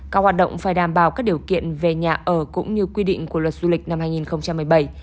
các hoạt động phải đảm bảo các điều kiện về nhà ở cũng như quy định của luật du lịch năm hai nghìn một mươi bảy